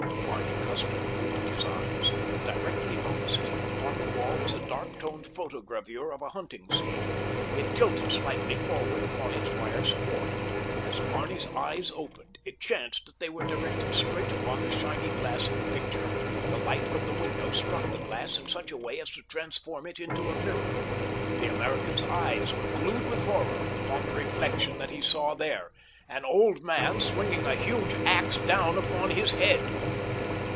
Barney Custer opened his eyes. Directly opposite him upon the wall was a dark toned photogravure of a hunting scene. It tilted slightly forward upon its wire support. As Barney's eyes opened it chanced that they were directed straight upon the shiny glass of the picture. The light from the window struck the glass in such a way as to transform it into a mirror. The American's eyes were glued with horror upon the reflection that he saw there—an old man swinging a huge ax down upon his head.